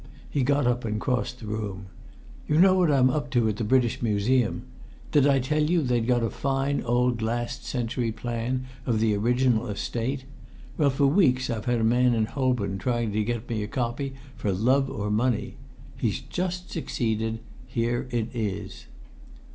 He got up and crossed the room. "You know what I'm up to at the British Museum; did I tell you they'd got a fine old last century plan of the original Estate? Well, for weeks I've had a man in Holborn trying to get me a copy for love or money. He's just succeeded. Here it is."